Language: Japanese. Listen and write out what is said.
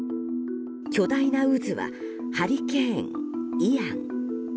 巨大な渦はハリケーンイアン。